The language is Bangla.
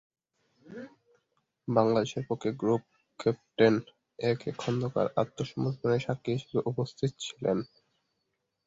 বাংলাদেশের পক্ষে, group captain A K Khandakar আত্মসমর্পণের সাক্ষী হিসাবে উপস্থিত ছিলেন।